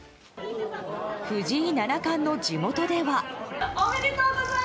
藤井七冠の地元では。